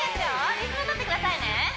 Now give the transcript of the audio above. リズムとってくださいね